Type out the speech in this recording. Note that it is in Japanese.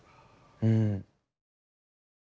うん。